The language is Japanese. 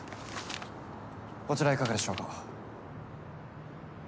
こちらいかがでしょうか？